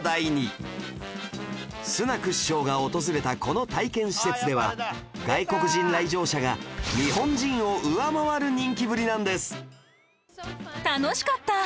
スナク首相が訪れたこの体験施設では外国人来場者が日本人を上回る人気ぶりなんです